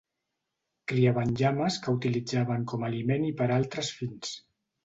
Criaven llames que utilitzaven com a aliment i per a altres fins.